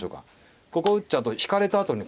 ここを打っちゃうと引かれた後にね